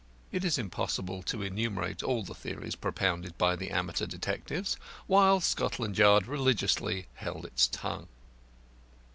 It is impossible to enumerate all the theories propounded by the amateur detectives, while Scotland Yard religiously held its tongue.